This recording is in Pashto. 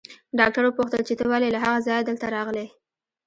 ډاکټر وپوښتل چې ته ولې له هغه ځايه دلته راغلې.